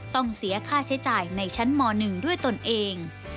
ต้องเสียค่าใช้จ่ายในชั้นม๑ด้วยตนเอง